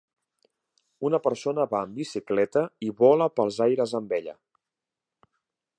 Una persona va en bicicleta i vola pels aires amb ella.